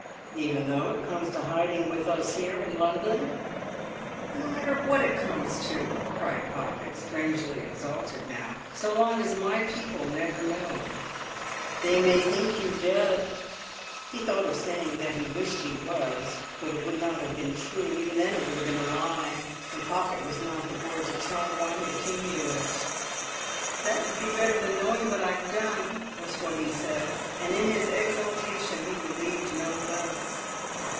"Even though it comes to hiding with us here in London?" "No matter what it comes to," cried Pocket, strangely exalted now, "so long as my people never know!" "They may think you dead." He thought of saying that he wished he was; but it would not have been true; even then it would have been a lie, and Pocket was not the boy to tell one if he knew it. "That would be better than knowing what I have done," was what he said; and in his exaltation he believed no less.